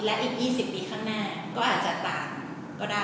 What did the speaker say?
และอีก๒๐ปีข้างหน้าก็อาจจะต่างก็ได้